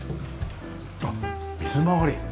あっ水回り。